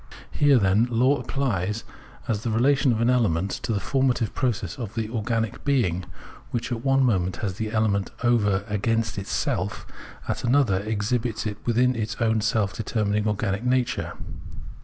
Here, then, law appears as the relation of an element to the formative process of the organic being, which at one moment has the element over against itself, at another exhibits it within its own self determining organic structure.